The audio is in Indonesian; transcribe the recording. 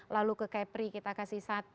lalu ke kepri kita kasih satu